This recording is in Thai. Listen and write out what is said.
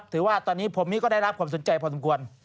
ถือว่าตอนนี้ผมนี้ก็ได้รับความสนใจพอสมควร